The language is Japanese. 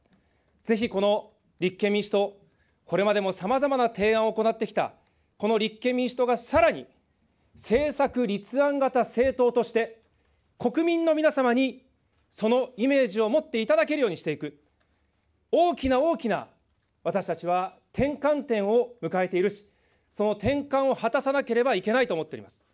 ぜひこの立憲民主党、これまでもさまざまな提案を行ってきた、この立憲民主党がさらに、政策立案型政党として、国民の皆様にそのイメージを持っていただけるようにしていく、大きな大きな、私たちは転換点を迎えているし、その転換を果たさなければいけないと思っております。